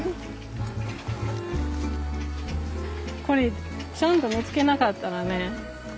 これちゃんと見つけなかったらね